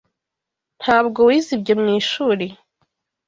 Ntabwo wize ibyo mwishuri?